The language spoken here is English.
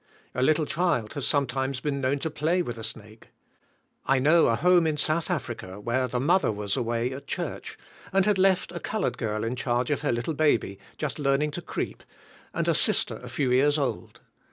A little child has sometimes been known to play with a snake. I know a home in South Africa, where the mother was away at church and had left a colored girl in charge of her little baby just learning to creep and a sister a few years old.